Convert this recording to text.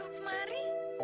lagi untuk mari